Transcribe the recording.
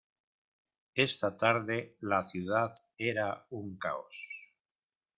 Esta tarde la ciudad era un caos.